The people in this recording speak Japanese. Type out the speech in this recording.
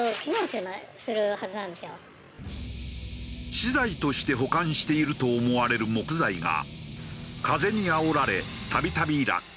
資材として保管していると思われる木材が風にあおられ度々落下。